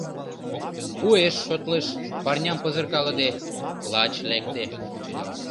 Уэш шотлыш, парням пызыркалыде — лач лекте.